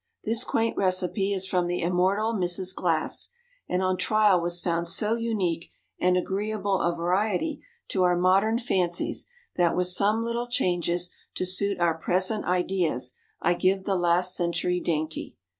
_ This quaint recipe is from the immortal Mrs. Glasse, and on trial was found so unique and agreeable a variety to our modern fancies that with some little changes to suit our present ideas I give the last century dainty.